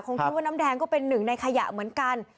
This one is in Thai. คิดว่าน้ำแดงก็เป็นหนึ่งในขยะเหมือนกัน